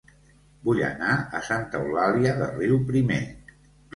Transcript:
Vull anar a Santa Eulàlia de Riuprimer